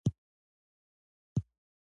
ما مذهبي احساسات له لاسه ورکړي وي.